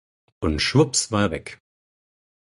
Und schwups war er weg.